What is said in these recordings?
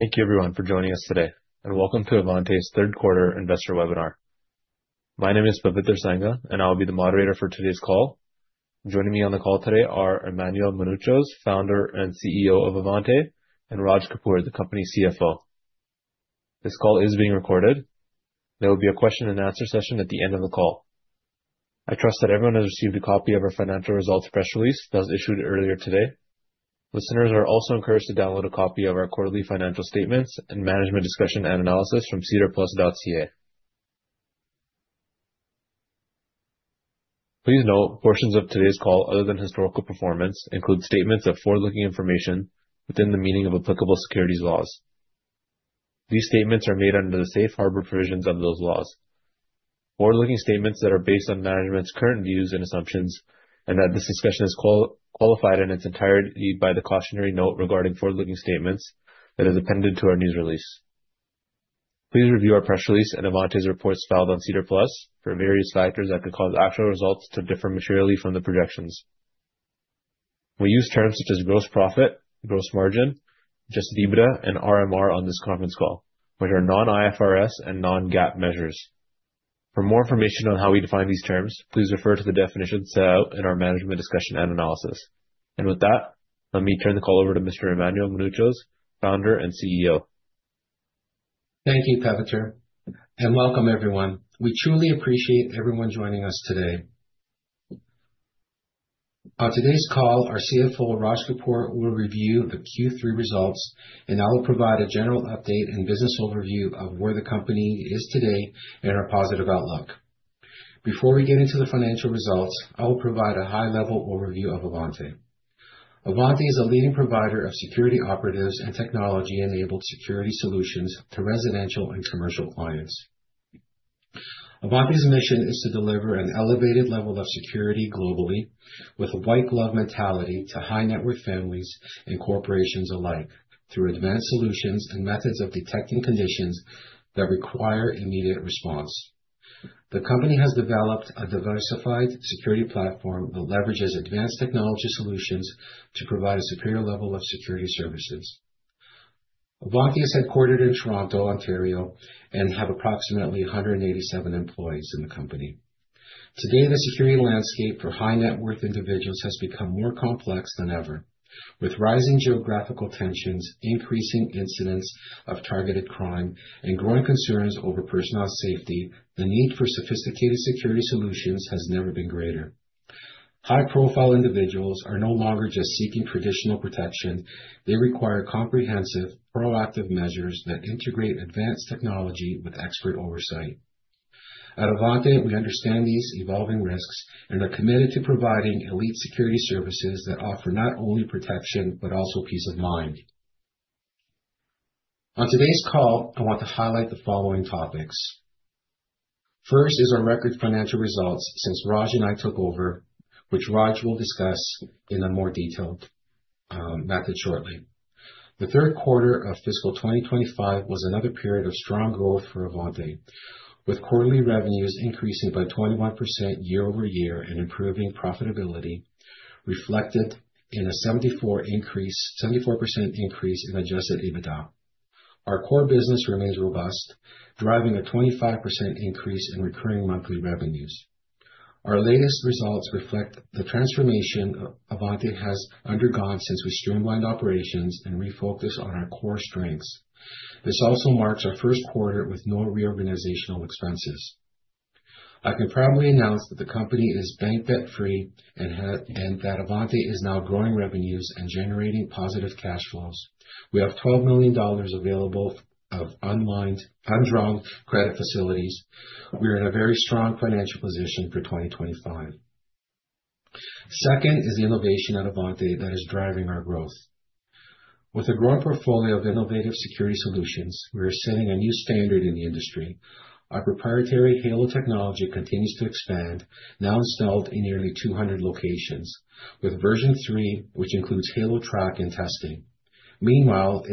Thank you, everyone, for joining us today, and welcome to Avante's Q3 Investor Webinar. My name is Pardeep Sangha, and I'll be the moderator for today's call. Joining me on the call today are Emmanuel Mounouchos, founder and CEO of Avante, and Raj Kapoor, the company's CFO. This call is being recorded. There will be a question-and-answer session at the end of the call. I trust that everyone has received a copy of our financial results press release that was issued earlier today. Listeners are also encouraged to download a copy of our quarterly financial statements and management discussion and analysis from sedarplus.ca. Please note, portions of today's call, other than historical performance, include statements of forward-looking information within the meaning of applicable securities laws. These statements are made under the safe harbor provisions of those laws. Forward-looking statements that are based on management's current views and assumptions, and that this discussion is qualified in its entirety by the cautionary note regarding forward-looking statements that is appended to our news release. Please review our press release and Avante's reports filed on SEDAR+ for various factors that could cause actual results to differ materially from the projections. We use terms such as gross profit, gross margin, adjusted EBITDA, and RMR on this conference call, which are non-IFRS and non-GAAP measures. For more information on how we define these terms, please refer to the definitions set out in our Management Discussion and Analysis. With that, let me turn the call over to Mr. Emmanuel Mounouchos, Founder and CEO. Thank you, Pardeep, and welcome, everyone. We truly appreciate everyone joining us today. On today's call, our CFO, Raj Kapoor, will review the Q3 results, and I will provide a general update and business overview of where the company is today and our positive outlook. Before we get into the financial results, I will provide a high-level overview of Avante. Avante is a leading provider of security operatives and technology-enabled security solutions to residential and commercial clients. Avante's mission is to deliver an elevated level of security globally with a white-glove mentality to high-net-worth families and corporations alike through advanced solutions and methods of detecting conditions that require immediate response. The company has developed a diversified security platform that leverages advanced technology solutions to provide a superior level of security services. Avante is headquartered in Toronto, Ontario, and has approximately 187 employees in the company. Today, the security landscape for high-net-worth individuals has become more complex than ever. With rising geographical tensions, increasing incidents of targeted crime, and growing concerns over personal safety, the need for sophisticated security solutions has never been greater. High-profile individuals are no longer just seeking traditional protection; they require comprehensive, proactive measures that integrate advanced technology with expert oversight. At Avante, we understand these evolving risks and are committed to providing elite security services that offer not only protection but also peace of mind. On today's call, I want to highlight the following topics. First is our record financial results since Raj and I took over, which Raj will discuss in a more detailed method shortly. The Q3 of fiscal 2025 was another period of strong growth for Avante, with quarterly revenues increasing by 21% year-over-year and improving profitability, reflected in a 74% increase in adjusted EBITDA. Our core business remains robust, driving a 25% increase in recurring monthly revenues. Our latest results reflect the transformation Avante has undergone since we streamlined operations and refocused on our core strengths. This also marks our Q1 with no reorganizational expenses. I can proudly announce that the company is bank debt-free and that Avante is now growing revenues and generating positive cash flows. We have 12 million dollars available of undrawn credit facilities. We are in a very strong financial position for 2025. Second is the innovation at Avante that is driving our growth. With a growing portfolio of innovative security solutions, we are setting a new standard in the industry. Our proprietary Halo technology continues to expand, now installed in nearly 200 locations, with Version 3, which includes Halo-Track and Testing. Meanwhile,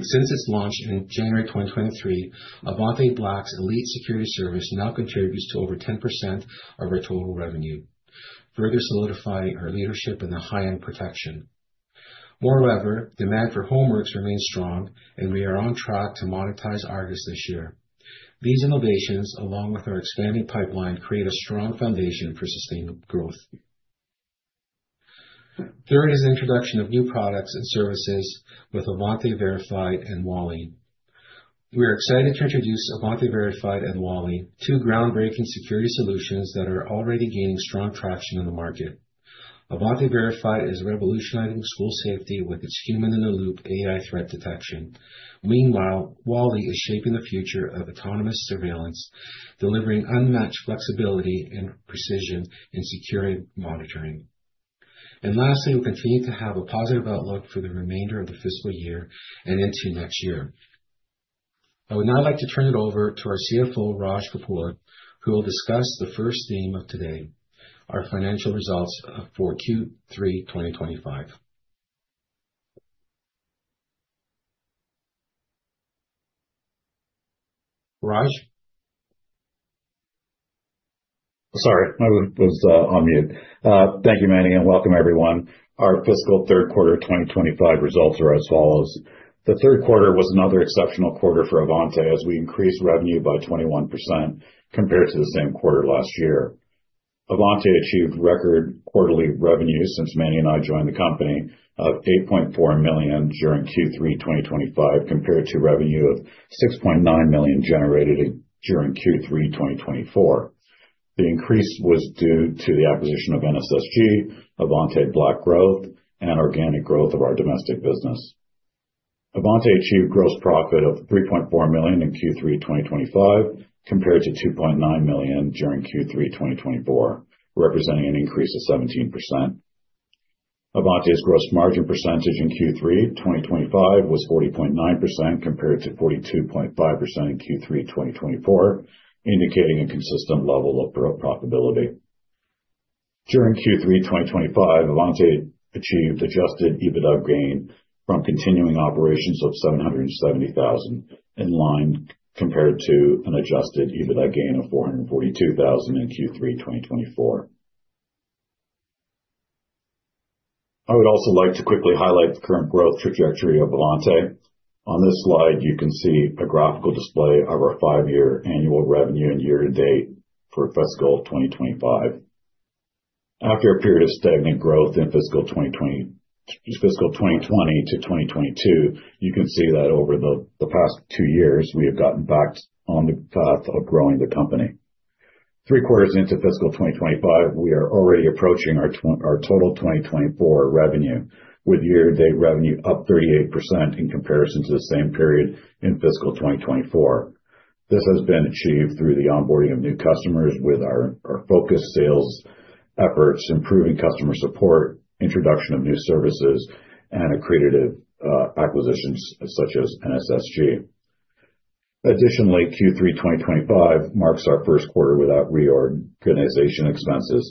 since its launch in January 2023, Avante Black's elite security service now contributes to over 10% of our total revenue, further solidifying our leadership in the high-end protection. Moreover, demand for Homeworxx remains strong, and we are on track to monetize Argus this year. These innovations, along with our expanded pipeline, create a strong foundation for sustainable growth. Third is the introduction of new products and services with Avante Verified and Wally. We are excited to introduce Avante Verified and Wally, two groundbreaking security solutions that are already gaining strong traction in the market. Avante Verified is revolutionizing school safety with its Human-in-the-Loop AI threat detection. Meanwhile, Wally is shaping the future of autonomous surveillance, delivering unmatched flexibility and precision in security monitoring. Lastly, we continue to have a positive outlook for the remainder of the fiscal year and into next year. I would now like to turn it over to our CFO, Raj Kapoor, who will discuss the first theme of today, our financial results for Q3 2025. Raj? Sorry, I was on mute. Thank you, Manny, and welcome, everyone. Our fiscal Q3 2025 results are as follows. The Q3 was another exceptional quarter for Avante as we increased revenue by 21% compared to the same quarter last year. Avante achieved record quarterly revenue since Manny and I joined the company of 8.4 million during Q3 2025, compared to revenue of 6.9 million generated during Q3 2024. The increase was due to the acquisition of NSSG, Avante Black growth, and organic growth of our domestic business. Avante achieved gross profit of 3.4 million in Q3 2025, compared to 2.9 million during Q3 2024, representing an increase of 17%. Avante's gross margin percentage in Q3 2025 was 40.9% compared to 42.5% in Q3 2024, indicating a consistent level of profitability. During Q3 2025, Avante achieved adjusted EBITDA gain from continuing operations of 770,000 in line, compared to an adjusted EBITDA gain of 442,000 in Q3 2024. I would also like to quickly highlight the current growth trajectory of Avante. On this slide, you can see a graphical display of our five-year annual revenue and year-to-date for fiscal 2025. After a period of stagnant growth in fiscal 2020 to 2022, you can see that over the past two years, we have gotten back on the path of growing the company. Three quarters into fiscal 2025, we are already approaching our total 2024 revenue, with year-to-date revenue up 38% in comparison to the same period in fiscal 2024. This has been achieved through the onboarding of new customers with our focused sales efforts, improving customer support, introduction of new services, and accretive acquisition such as NSSG. Additionally, Q3 2025 marks our Q1 without reorganization expenses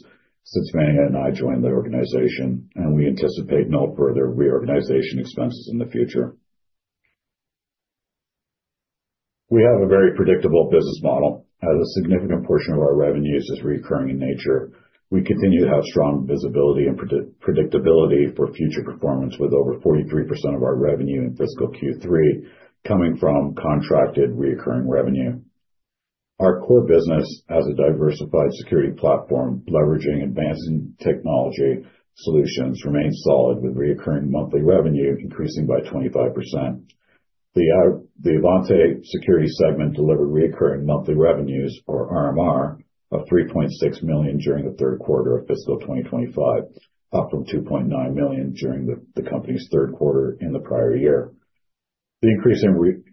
since Manny and I joined the organization, and we anticipate no further reorganization expenses in the future. We have a very predictable business model. A significant portion of our revenues is recurring in nature. We continue to have strong visibility and predictability for future performance, with over 43% of our revenue in fiscal Q3 coming from contracted recurring revenue. Our core business, as a diversified security platform leveraging advancing technology solutions, remains solid, with recurring monthly revenue increasing by 25%. The Avante Security segment delivered recurring monthly revenues, or RMR, of 3.6 million during the Q3 of fiscal 2025, up from 2.9 million during the company's Q3 in the prior year. The increase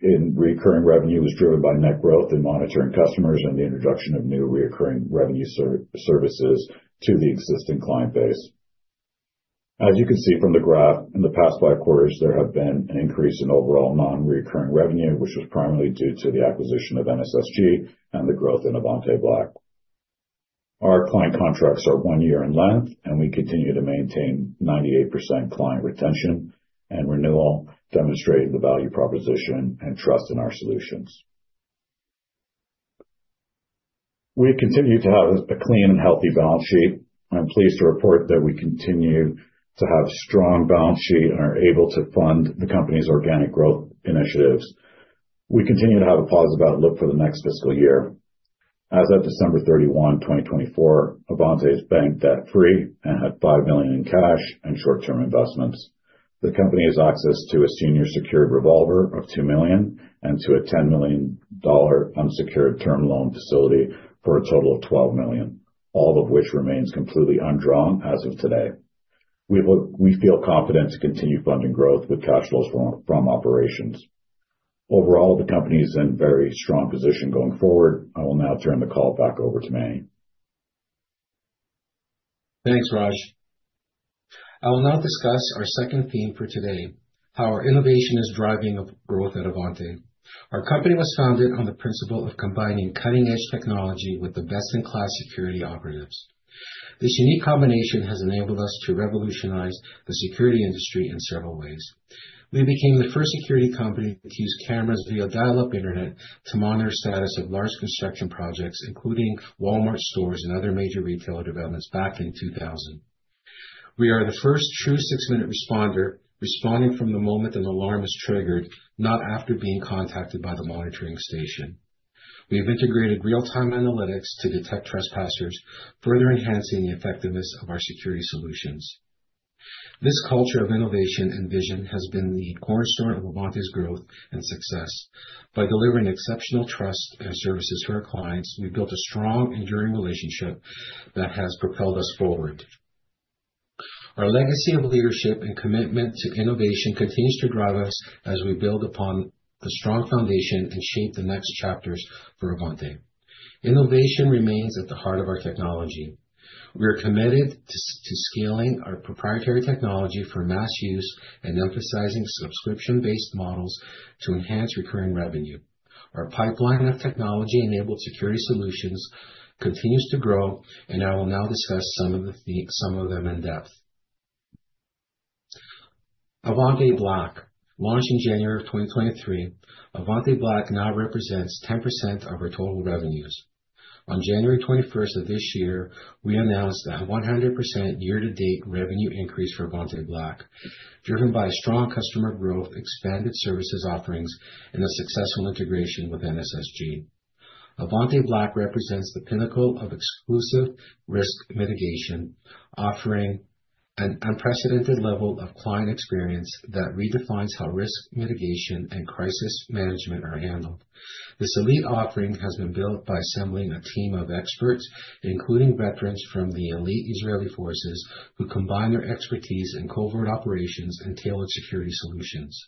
in recurring revenue was driven by net growth in monitoring customers and the introduction of new recurring revenue services to the existing client base. As you can see from the graph, in the past five quarters, there has been an increase in overall non-recurring revenue, which was primarily due to the acquisition of NSSG and the growth in Avante Black. Our client contracts are one year in length, and we continue to maintain 98% client retention and renewal, demonstrating the value proposition and trust in our solutions. We continue to have a clean and healthy balance sheet. I'm pleased to report that we continue to have a strong balance sheet and are able to fund the company's organic growth initiatives. We continue to have a positive outlook for the next fiscal year. As of December 31, 2024, Avante is bank debt-free and had 5 million in cash and short-term investments. The company has access to a senior secured revolver of 2 million and to a 10 million dollar unsecured term loan facility for a total of 12 million, all of which remains completely undrawn as of today. We feel confident to continue funding growth with cash flows from operations. Overall, the company is in a very strong position going forward. I will now turn the call back over to Manny. Thanks, Raj. I will now discuss our second theme for today: how our innovation is driving growth at Avante. Our company was founded on the principle of combining cutting-edge technology with the best-in-class security operatives. This unique combination has enabled us to revolutionize the security industry in several ways. We became the first security company to use cameras via dial-up internet to monitor the status of large construction projects, including Walmart stores and other major retailer developments back in 2000. We are the first true six-minute responder, responding from the moment an alarm is triggered, not after being contacted by the monitoring station. We have integrated real-time analytics to detect trespassers, further enhancing the effectiveness of our security solutions. This culture of innovation and vision has been the cornerstone of Avante's growth and success. By delivering exceptional trust and services to our clients, we've built a strong, enduring relationship that has propelled us forward. Our legacy of leadership and commitment to innovation continues to drive us as we build upon the strong foundation and shape the next chapters for Avante. Innovation remains at the heart of our technology. We are committed to scaling our proprietary technology for mass use and emphasizing subscription-based models to enhance recurring revenue. Our pipeline of technology-enabled security solutions continues to grow, and I will now discuss some of them in depth. Avante Black, launched in January of 2023, Avante Black now represents 10% of our total revenues. On January 21st of this year, we announced a 100% year-to-date revenue increase for Avante Black, driven by strong customer growth, expanded services offerings, and a successful integration with NSSG. Avante Black represents the pinnacle of exclusive risk mitigation, offering an unprecedented level of client experience that redefines how risk mitigation and crisis management are handled. This elite offering has been built by assembling a team of experts, including veterans from the elite Israeli forces, who combine their expertise in covert operations and tailored security solutions.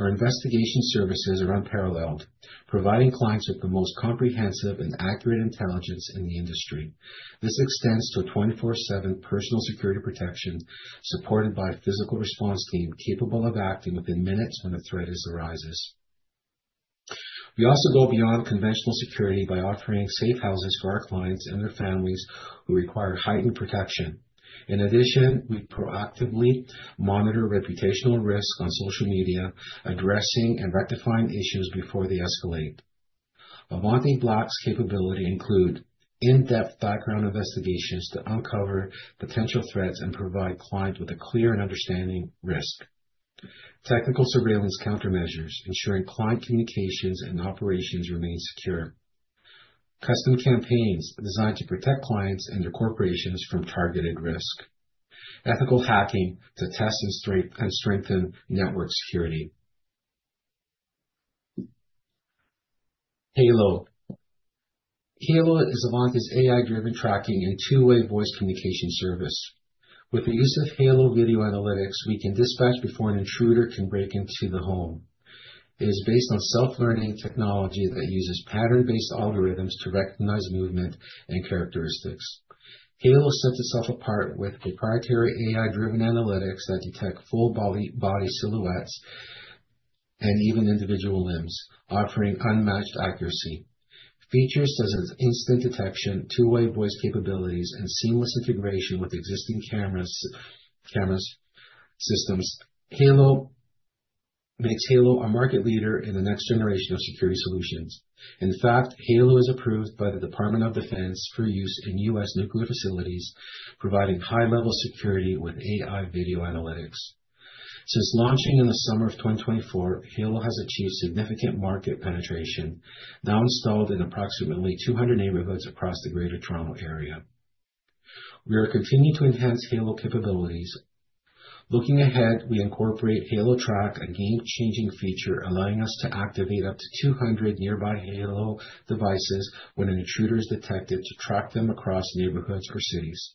Our investigation services are unparalleled, providing clients with the most comprehensive and accurate intelligence in the industry. This extends to a 24/7 personal security protection, supported by a physical response team capable of acting within minutes when a threat arises. We also go beyond conventional security by offering safe houses for our clients and their families who require heightened protection. In addition, we proactively monitor reputational risk on social media, addressing and rectifying issues before they escalate. Avante Black's capabilities include in-depth background investigations to uncover potential threats and provide clients with a clear and understanding risk, technical surveillance countermeasures, ensuring client communications and operations remain secure, custom campaigns designed to protect clients and their corporations from targeted risk, ethical hacking to test and strengthen network security. Halo. Halo is Avante's AI-driven tracking and two-way voice communication service. With the use of Halo video analytics, we can dispatch before an intruder can break into the home. It is based on self-learning technology that uses pattern-based algorithms to recognize movement and characteristics. Halo sets itself apart with proprietary AI-driven analytics that detect full body silhouettes and even individual limbs, offering unmatched accuracy. Features such as instant detection, two-way voice capabilities, and seamless integration with existing camera systems, Halo makes Halo a market leader in the next generation of security solutions. In fact, Halo is approved by the Department of Defense for use in U.S. nuclear facilities, providing high-level security with AI video analytics. Since launching in the summer of 2024, Halo has achieved significant market penetration, now installed in approximately 200 neighborhoods across the Greater Toronto Area. We are continuing to enhance Halo capabilities. Looking ahead, we incorporate Halo-Track, a game-changing feature allowing us to activate up to 200 nearby Halo devices when an intruder is detected to track them across neighborhoods or cities,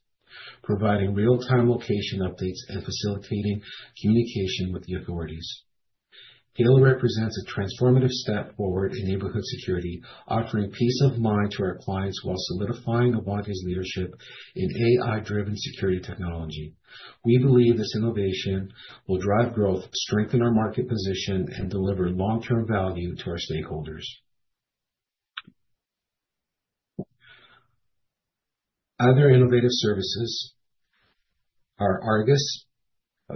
providing real-time location updates and facilitating communication with the authorities. Halo represents a transformative step forward in neighborhood security, offering peace of mind to our clients while solidifying Avante's leadership in AI-driven security technology. We believe this innovation will drive growth, strengthen our market position, and deliver long-term value to our stakeholders. Other innovative services are Argus,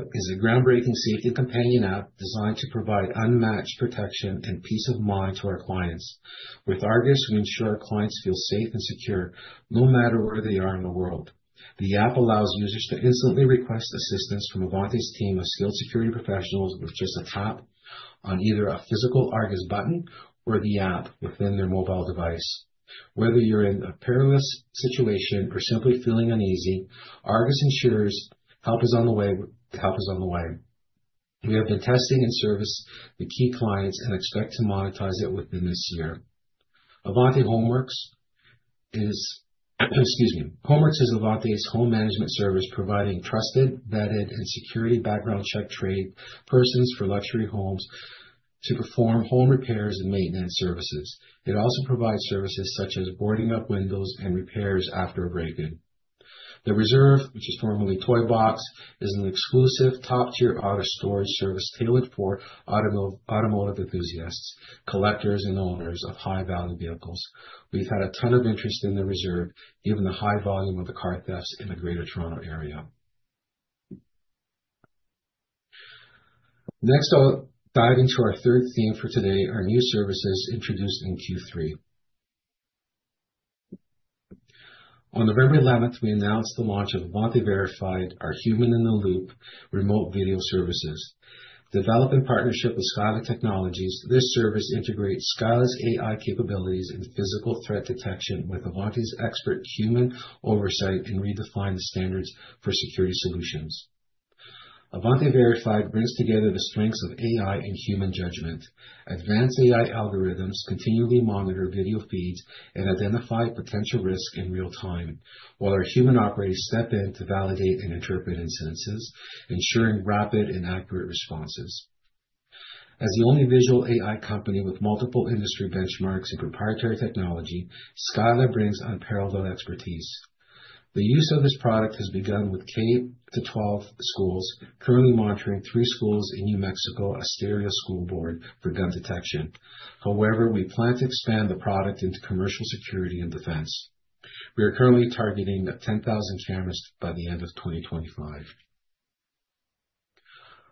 which is a groundbreaking safety companion app designed to provide unmatched protection and peace of mind to our clients. With Argus, we ensure our clients feel safe and secure no matter where they are in the world. The app allows users to instantly request assistance from Avante's team of skilled security professionals with just a tap on either a physical Argus button or the app within their mobile device. Whether you're in a perilous situation or simply feeling uneasy, Argus ensures help is on the way. We have been testing and servicing the key clients and expect to monetize it within this year. Avante Homeworxx is, excuse me, Homeworxx is Avante's home management service providing trusted, vetted, and security background check trade persons for luxury homes to perform home repairs and maintenance services. It also provides services such as boarding up windows and repairs after a break-in. The Reserve, which is formerly Toyboxx, is an exclusive top-tier auto storage service tailored for automotive enthusiasts, collectors, and owners of high-value vehicles. We've had a ton of interest in The Reserve, given the high volume of the car thefts in the Greater Toronto Area. Next, I'll dive into our third theme for today, our new services introduced in Q3. On November 11th, we announced the launch of Avante Verified, our Human-in-the-Loop remote video services. Developed in partnership with Scylla Technologies, this service integrates Scylla's AI capabilities and physical threat detection with Avante's expert human oversight and redefined the standards for security solutions. Avante Verified brings together the strengths of AI and human judgment. Advanced AI algorithms continually monitor video feeds and identify potential risks in real time, while our human operators step in to validate and interpret incidences, ensuring rapid and accurate responses. As the only visual AI company with multiple industry benchmarks and proprietary technology, Scylla brings unparalleled expertise. The use of this product has begun with K-12 schools, currently monitoring three schools in New Mexico Artesia School Board for gun detection. However, we plan to expand the product into commercial security and defense. We are currently targeting 10,000 cameras by the end of 2025.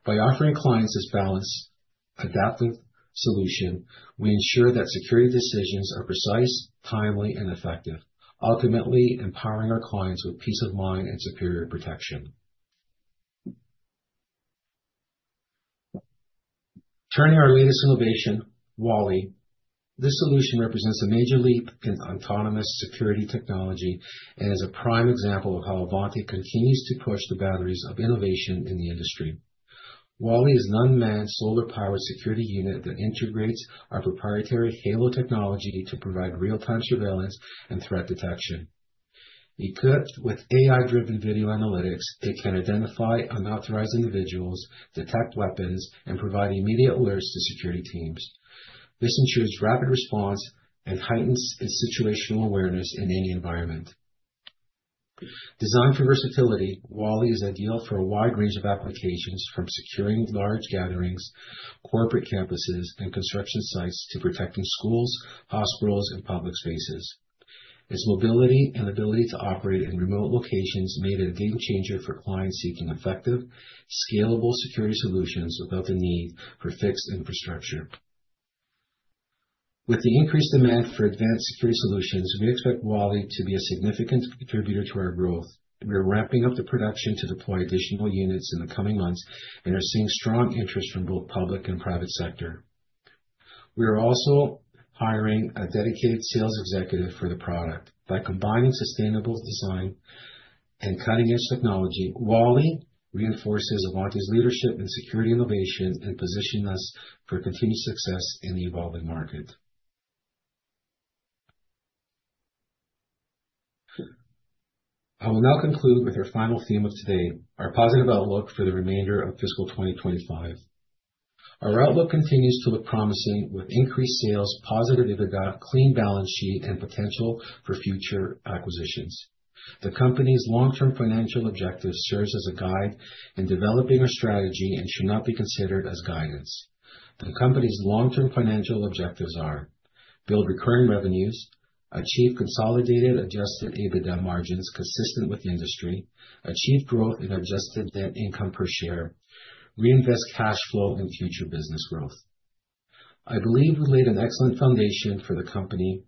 By offering clients this balanced, adaptive solution, we ensure that security decisions are precise, timely, and effective, ultimately empowering our clients with peace of mind and superior protection. Turning to our latest innovation, Wally, this solution represents a major leap in autonomous security technology and is a prime example of how Avante continues to push the boundaries of innovation in the industry. Wally is an unmanned solar-powered security unit that integrates our proprietary Halo technology to provide real-time surveillance and threat detection. Equipped with AI-driven video analytics, it can identify unauthorized individuals, detect weapons, and provide immediate alerts to security teams. This ensures rapid response and heightens its situational awareness in any environment. Designed for versatility, Wally is ideal for a wide range of applications, from securing large gatherings, corporate campuses, and construction sites to protecting schools, hospitals, and public spaces. Its mobility and ability to operate in remote locations make it a game changer for clients seeking effective, scalable security solutions without the need for fixed infrastructure. With the increased demand for advanced security solutions, we expect Wally to be a significant contributor to our growth. We are ramping up the production to deploy additional units in the coming months and are seeing strong interest from both public and private sector. We are also hiring a dedicated sales executive for the product. By combining sustainable design and cutting-edge technology, Wally reinforces Avante's leadership in security innovation and positions us for continued success in the evolving market. I will now conclude with our final theme of today, our positive outlook for the remainder of fiscal 2025. Our outlook continues to look promising with increased sales, positive EBITDA, clean balance sheet, and potential for future acquisitions. The company's long-term financial objectives serve as a guide in developing our strategy and should not be considered as guidance. The company's long-term financial objectives are: build recurring revenues, achieve consolidated adjusted EBITDA margins consistent with the industry, achieve growth in adjusted net income per share, reinvest cash flow in future business growth. I believe we've laid an excellent foundation for the company,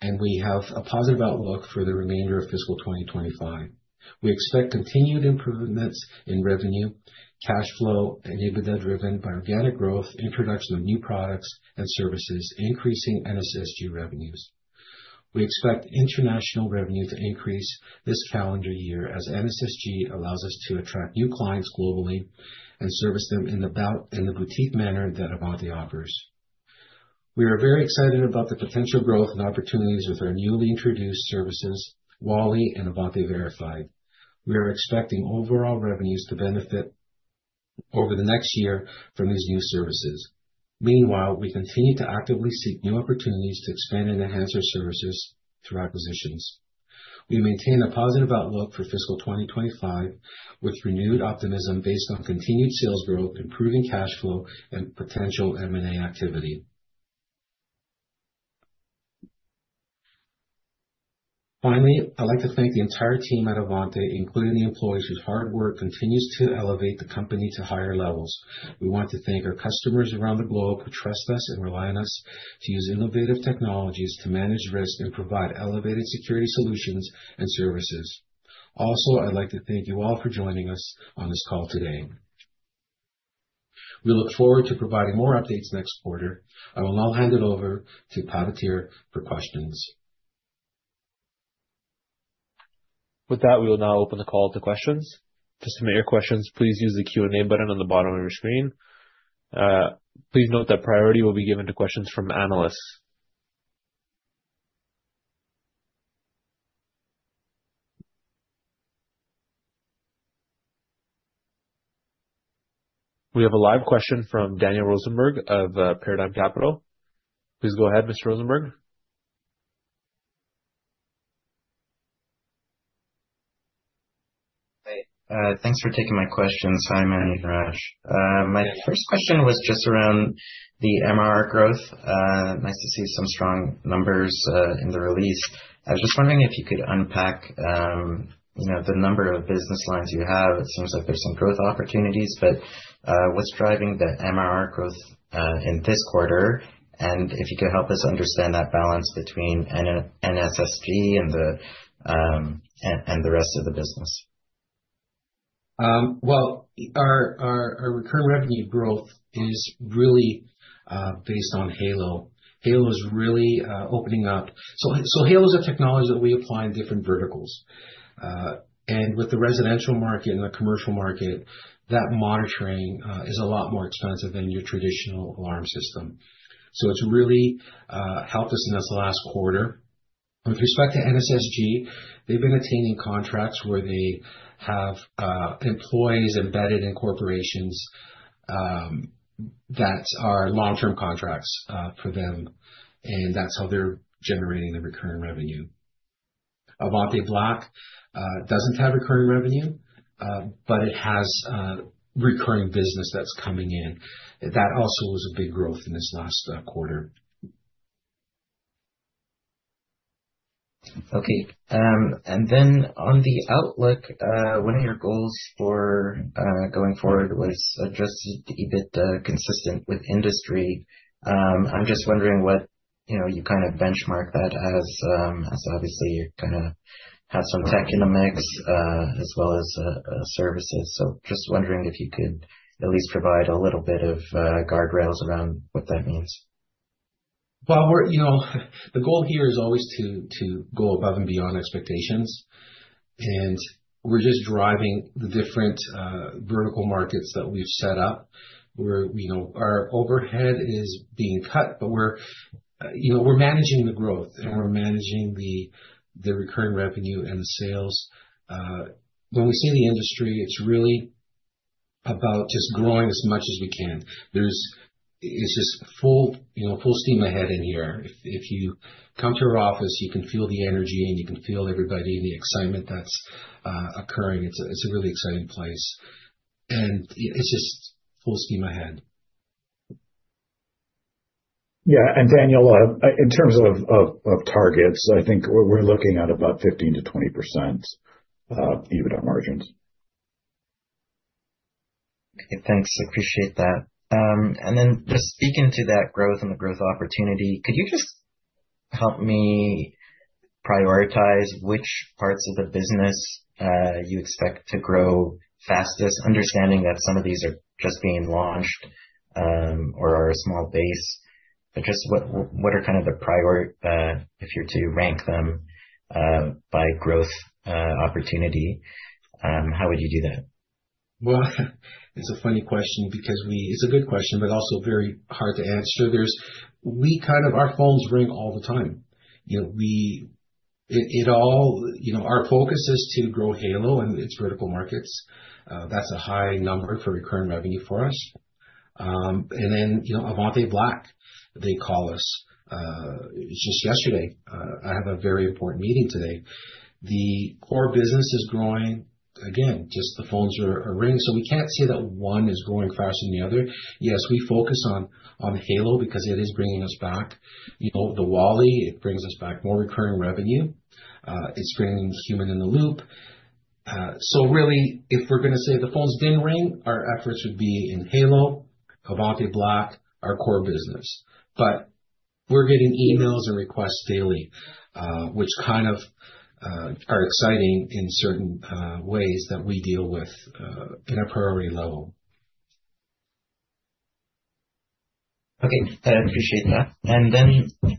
and we have a positive outlook for the remainder of fiscal 2025. We expect continued improvements in revenue, cash flow, and EBITDA driven by organic growth, introduction of new products and services, increasing NSSG revenues. We expect international revenue to increase this calendar year as NSSG allows us to attract new clients globally and service them in the boutique manner that Avante offers. We are very excited about the potential growth and opportunities with our newly introduced services, Wally and Avante Verified. We are expecting overall revenues to benefit over the next year from these new services. Meanwhile, we continue to actively seek new opportunities to expand and enhance our services through acquisitions. We maintain a positive outlook for fiscal 2025 with renewed optimism based on continued sales growth, improving cash flow, and potential M&A activity. Finally, I'd like to thank the entire team at Avante, including the employees whose hard work continues to elevate the company to higher levels. We want to thank our customers around the globe who trust us and rely on us to use innovative technologies to manage risk and provide elevated security solutions and services. Also, I'd like to thank you all for joining us on this call today. We look forward to providing more updates next quarter. I will now hand it over to Pardeep for questions. With that, we will now open the call to questions. To submit your questions, please use the Q&A button on the bottom of your screen. Please note that priority will be given to questions from analysts. We have a live question from Daniel Rosenberg of Paradigm Capital. Please go ahead, Mr. Rosenberg. Hi. Thanks for taking my question, Manny and Raj. My first question was just around the MRR growth. Nice to see some strong numbers in the release. I was just wondering if you could unpack the number of business lines you have. It seems like there's some growth opportunities, but what's driving the MRR growth in this quarter? If you could help us understand that balance between NSSG and the rest of the business. Our recurring revenue growth is really based on Halo. Halo is really opening up. Halo is a technology that we apply in different verticals. With the residential market and the commercial market, that monitoring is a lot more expensive than your traditional alarm system. It has really helped us in this last quarter. With respect to NSSG, they have been attaining contracts where they have employees embedded in corporations that are long-term contracts for them, and that is how they are generating the recurring revenue. Avante Black does not have recurring revenue, but it has recurring business that is coming in. That also was a big growth in this last quarter. Okay. On the outlook, one of your goals for going forward was adjusted EBITDA consistent with industry. I am just wondering what you kind of benchmark that as obviously, you kind of have some tech in the mix as well as services. I am just wondering if you could at least provide a little bit of guardrails around what that means. The goal here is always to go above and beyond expectations. We're just driving the different vertical markets that we've set up. Our overhead is being cut, but we're managing the growth, and we're managing the recurring revenue and the sales. When we see the industry, it's really about just growing as much as we can. It's just full steam ahead in here. If you come to our office, you can feel the energy, and you can feel everybody and the excitement that's occurring. It's a really exciting place. It's just full steam ahead. Yeah. Daniel, in terms of targets, I think we're looking at about 15%-20% EBITDA margins. Okay. Thanks. I appreciate that. Just speaking to that growth and the growth opportunity, could you just help me prioritize which parts of the business you expect to grow fastest, understanding that some of these are just being launched or are a small base? What are kind of the priority if you're to rank them by growth opportunity? How would you do that? It's a funny question because it's a good question, but also very hard to answer. We kind of our phones ring all the time. Our focus is to grow Halo and its vertical markets. That's a high number for recurring revenue for us. And then Avante Black, they call us. It's just yesterday. I have a very important meeting today. The core business is growing. Again, just the phones are ringing. We can't say that one is growing faster than the other. Yes, we focus on Halo because it is bringing us back. The Wally, it brings us back more recurring revenue. It's bringing Human-in-the-Loop. Really, if we're going to say the phones didn't ring, our efforts would be in Halo, Avante Black, our core business. We're getting emails and requests daily, which kind of are exciting in certain ways that we deal with in a priority level. Okay. I appreciate that.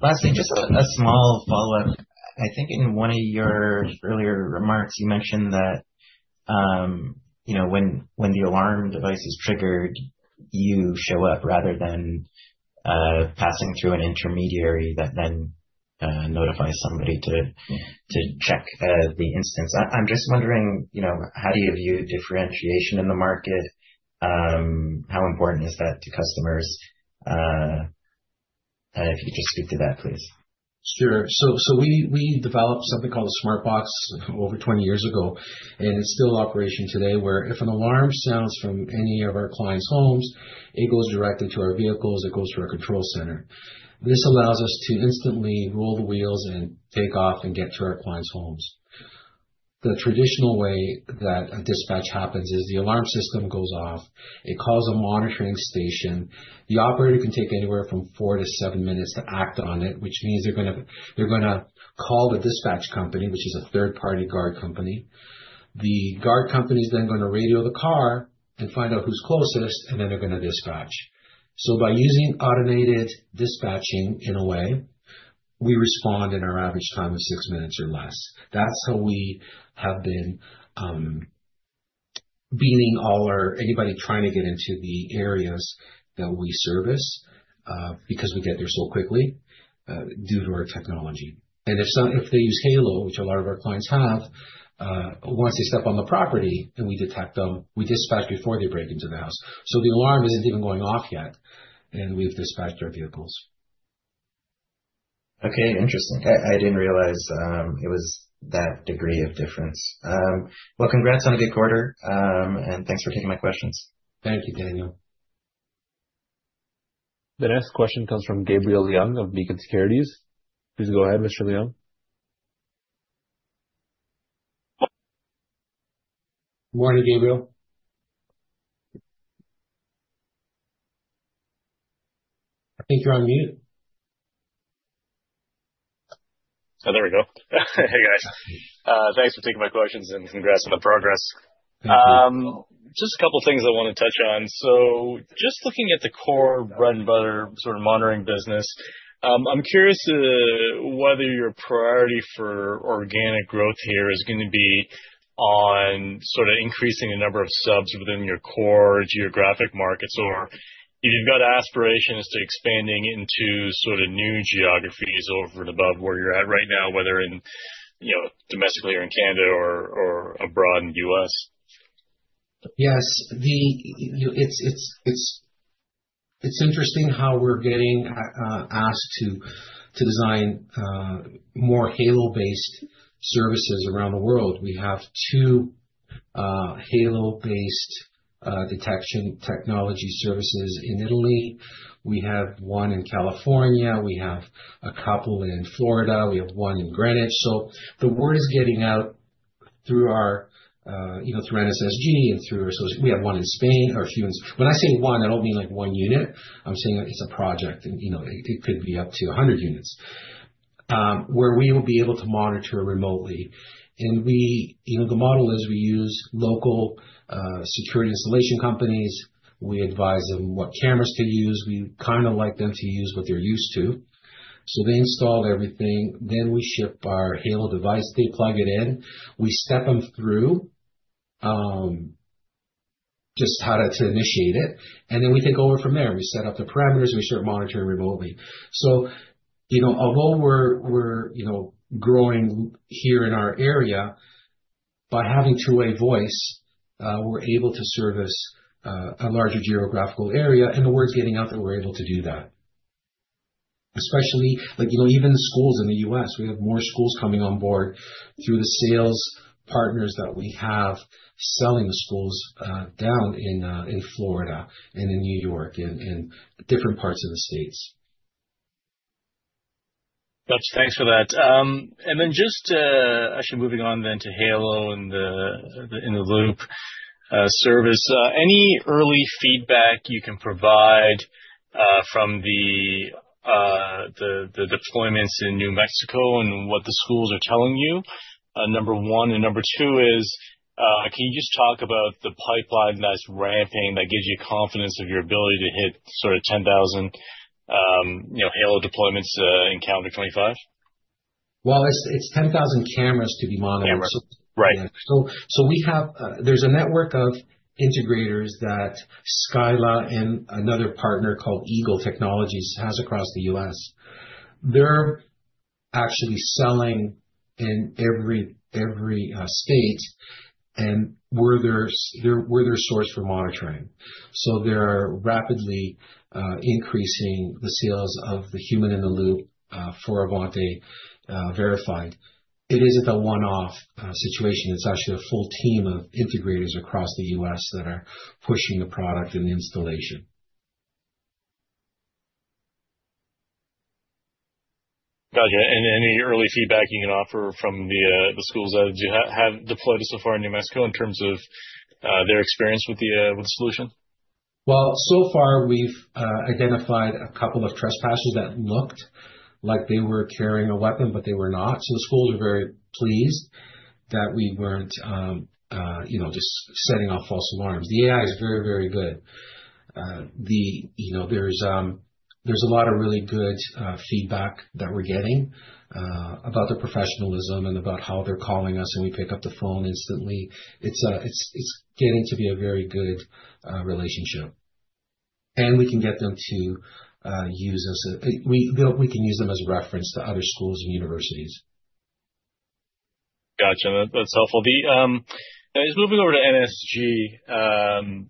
Lastly, just a small follow-up. I think in one of your earlier remarks, you mentioned that when the alarm device is triggered, you show up rather than passing through an intermediary that then notifies somebody to check the instance. I'm just wondering, how do you view differentiation in the market? How important is that to customers? If you could just speak to that, please. Sure. We developed something called a Smartboxx over 20 years ago, and it's still in operation today where if an alarm sounds from any of our clients' homes, it goes directly to our vehicles. It goes to our control center. This allows us to instantly roll the wheels and take off and get to our clients' homes. The traditional way that a dispatch happens is the alarm system goes off. It calls a monitoring station. The operator can take anywhere from four to seven minutes to act on it, which means they're going to call the dispatch company, which is a third-party guard company. The guard company is then going to radio the car and find out who's closest, and then they're going to dispatch. By using automated dispatching in a way, we respond in our average time of six minutes or less. That's how we have been beating all our anybody trying to get into the areas that we service because we get there so quickly due to our technology. If they use Halo, which a lot of our clients have, once they step on the property and we detect them, we dispatch before they break into the house. The alarm isn't even going off yet, and we've dispatched our vehicles. Interesting. I didn't realize it was that degree of difference. Congrats on a good quarter, and thanks for taking my questions. Thank you, Daniel. The next question comes from Gabriel Leung of Beacon Securities. Please go ahead, Mr. Leung. Good morning, Gabriel. I think you're on mute. Oh, there we go. Hey, guys. Thanks for taking my questions, and congrats on the progress. Just a couple of things I want to touch on. Just looking at the core bread and butter sort of monitoring business, I'm curious whether your priority for organic growth here is going to be on sort of increasing the number of subs within your core geographic markets, or if you've got aspirations to expanding into sort of new geographies over and above where you're at right now, whether domestically or in Canada or abroad in the U.S. Yes. It's interesting how we're getting asked to design more Halo-based services around the world. We have two Halo-based detection technology services in Italy. We have one in California. We have a couple in Florida. We have one in Greenwich. The word is getting out through NSSG and through our associates. We have one in Spain, or a few in Spain. When I say one, I don't mean like one unit. I'm saying it's a project, and it could be up to 100 units where we will be able to monitor remotely. The model is we use local security installation companies. We advise them what cameras to use. We kind of like them to use what they're used to. They install everything. We ship our Halo device. They plug it in. We step them through just how to initiate it. We take over from there. We set up the parameters. We start monitoring remotely. Although we're growing here in our area, by having two-way voice, we're able to service a larger geographical area. The word's getting out that we're able to do that, especially even schools in the U.S. We have more schools coming on board through the sales partners that we have selling the schools down in Florida and in New York and different parts of the states. Thanks for that. Actually, moving on to Halo and the in-the-loop service. Any early feedback you can provide from the deployments in New Mexico and what the schools are telling you? Number one. Number two is, can you just talk about the pipeline that's ramping that gives you confidence of your ability to hit sort of 10,000 Halo deployments in calendar 2025? It's 10,000 cameras to be monitored. There's a network of integrators that Scylla and another partner called Eagle Technologies has across the U.S. They're actually selling in every state and where they're sourced for monitoring. They're rapidly increasing the sales of the Human-in-the-Loop for Avante Verified. It isn't a one-off situation. It's actually a full team of integrators across the U.S. that are pushing the product and the installation. Gotcha. Any early feedback you can offer from the schools that have deployed so far in New Mexico in terms of their experience with the solution? So far, we've identified a couple of trespassers that looked like they were carrying a weapon, but they were not. The schools are very pleased that we weren't just setting off false alarms. The AI is very, very good. There's a lot of really good feedback that we're getting about the professionalism and about how they're calling us, and we pick up the phone instantly. It's getting to be a very good relationship. We can get them to use us. We can use them as a reference to other schools and universities. Gotcha. That's helpful. Now, just moving over to NSSG.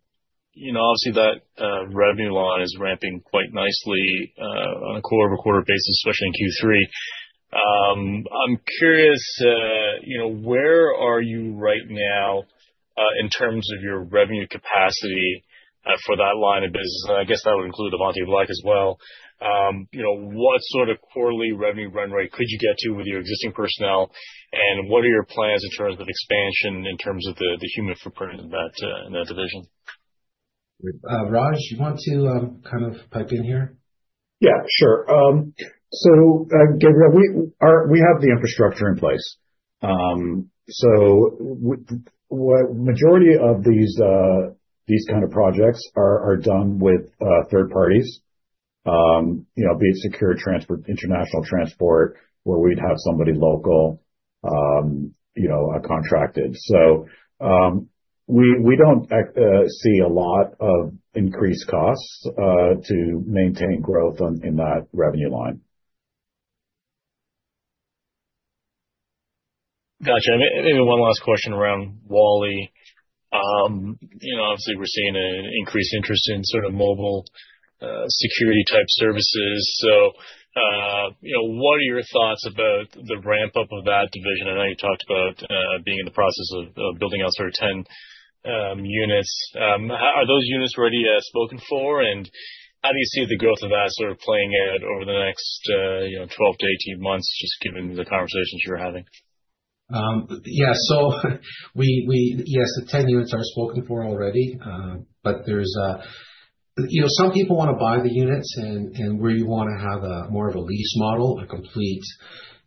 Obviously, that revenue line is ramping quite nicely on a quarter-over-quarter basis, especially in Q3. I'm curious, where are you right now in terms of your revenue capacity for that line of business? And I guess that would include Avante Black as well. What sort of quarterly revenue run rate could you get to with your existing personnel? And what are your plans in terms of expansion in terms of the human footprint in that division? Raj, you want to kind of pipe in here? Yeah, sure. So, Gabriel, we have the infrastructure in place. The majority of these kind of projects are done with third parties, be it secure international transport, where we'd have somebody local contracted. We don't see a lot of increased costs to maintain growth in that revenue line. Gotcha. Maybe one last question around Wally. Obviously, we're seeing an increased interest in sort of mobile security-type services. What are your thoughts about the ramp-up of that division? I know you talked about being in the process of building out sort of 10 units. Are those units already spoken for? How do you see the growth of that sort of playing out over the next 12 to 18 months, just given the conversations you're having? Yeah. Yes, the 10 units are spoken for already. Some people want to buy the units, and where you want to have more of a lease model, a complete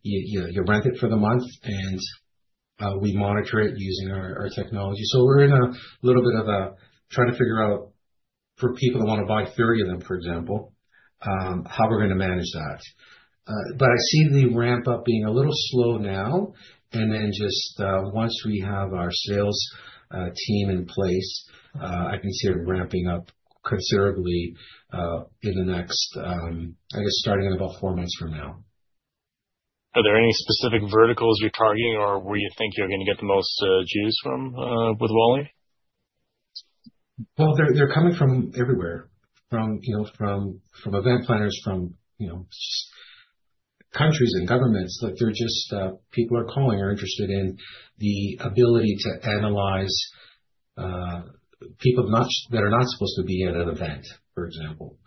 you rent it for the month, and we monitor it using our technology. We're in a little bit of a trying to figure out for people that want to buy 30 of them, for example, how we're going to manage that. I see the ramp-up being a little slow now. Once we have our sales team in place, I can see it ramping up considerably in the next, I guess, starting in about four months from now. Are there any specific verticals you're targeting, or where you think you're going to get the most juice from with Wally? They're coming from everywhere, from event planners, from countries and governments. People are calling or interested in the ability to analyze people that are not supposed to be at an event, for example,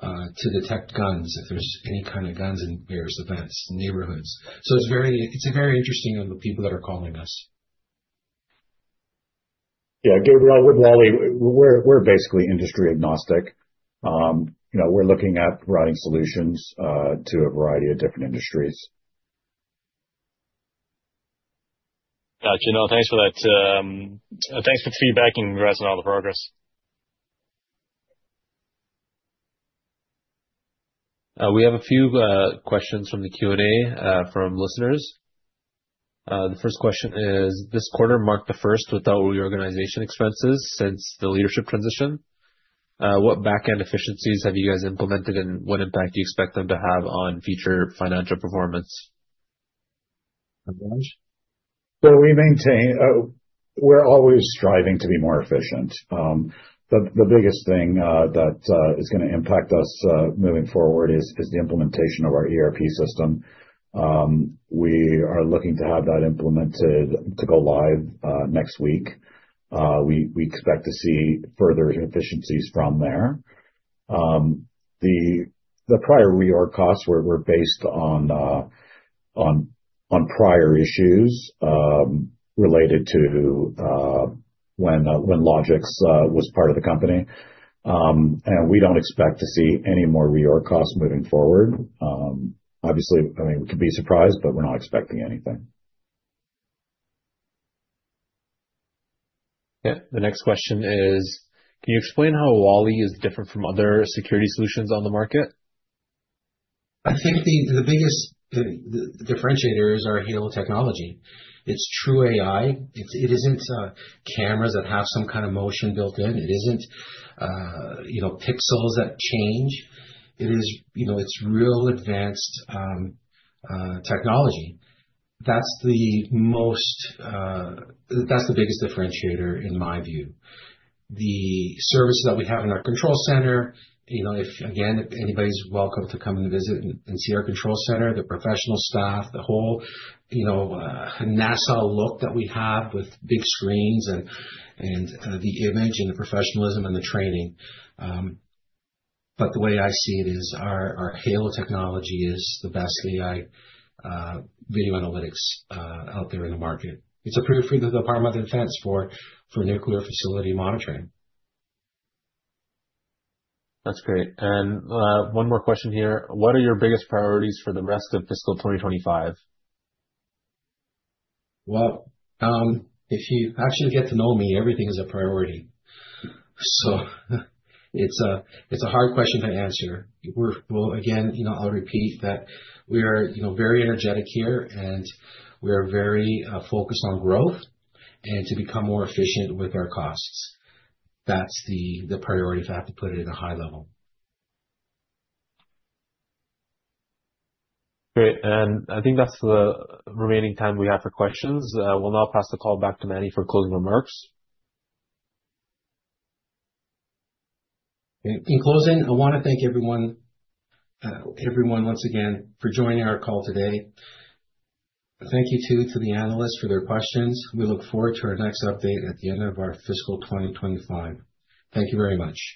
to detect guns, if there's any kind of guns in various events, neighborhoods. It's very interesting, the people that are calling us. Yeah. Gabriel, with Wally, we're basically industry-agnostic. We're looking at providing solutions to a variety of different industries. Gotcha. No, thanks for that. Thanks for the feedback and congrats on all the progress. We have a few questions from the Q&A from listeners. The first question is, this quarter marked the first without reorganization expenses since the leadership transition. What backend efficiencies have you guys implemented, and what impact do you expect them to have on future financial performance? We are always striving to be more efficient. The biggest thing that is going to impact us moving forward is the implementation of our ERP system. We are looking to have that implemented to go live next week. We expect to see further efficiencies from there. The prior reorg costs were based on prior issues related to when Logixx was part of the company. We do not expect to see any more reorg costs moving forward. Obviously, I mean, we could be surprised, but we are not expecting anything. Yeah. The next question is, can you explain how Wally is different from other security solutions on the market? I think the biggest differentiator is our Halo technology. It's true AI. It isn't cameras that have some kind of motion built in. It isn't pixels that change. It's real advanced technology. That's the biggest differentiator, in my view. The services that we have in our control center, again, anybody's welcome to come and visit and see our control center, the professional staff, the whole NASA look that we have with big screens and the image and the professionalism and the training. The way I see it is our Halo technology is the best AI video analytics out there in the market. It's approved through the Department of Defense for nuclear facility monitoring. That's great. One more question here. What are your biggest priorities for the rest of fiscal 2025? If you actually get to know me, everything is a priority. It is a hard question to answer. I will repeat that we are very energetic here, and we are very focused on growth and to become more efficient with our costs. That is the priority if I have to put it at a high level. Great. I think that is the remaining time we have for questions. We will now pass the call back to Manny for closing remarks. In closing, I want to thank everyone once again for joining our call today. Thank you too to the analysts for their questions. We look forward to our next update at the end of our fiscal 2025. Thank you very much.